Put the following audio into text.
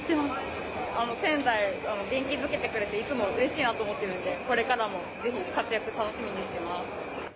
仙台、元気づけてくれて、いつもうれしいなと思ってるんで、これからもぜひ活躍楽しみにしています。